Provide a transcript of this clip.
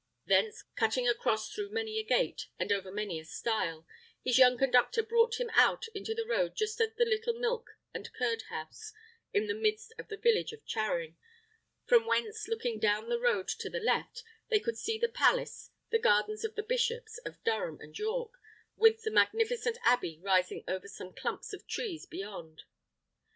Thence, cutting across through many a gate, and over many a stile, his young conductor brought him out into the road just at the little milk and curd house in the midst of the village of Charing, from whence, looking down the road to the left, they could see the palace, and gardens of the bishops of Durham and York, with the magnificent abbey, rising over some clumps of trees beyond.